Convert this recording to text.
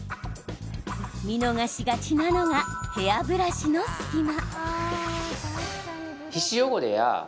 見逃しがちなのがヘアブラシの隙間。